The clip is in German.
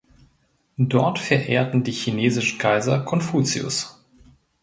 Dort verehrten die chinesischen Kaiser Konfuzius.